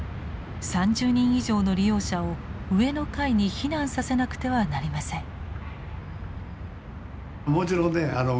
３０人以上の利用者を上の階に避難させなくてはなりません。